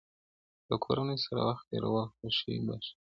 له کورنۍ سره وخت تېرول خوښي بښي.